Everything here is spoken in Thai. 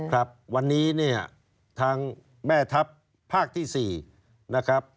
ครับวันนี้เนี่ยทางแม่ทัพภาคที่๔นะครับ